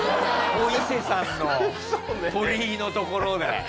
お伊勢さんの鳥居の所で。